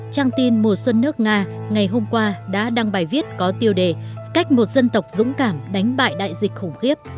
trang tin mùa xuân nước nga ngày hôm qua đã đăng bài viết có tiêu đề cách một dân tộc dũng cảm đánh bại đại dịch khủng khiếp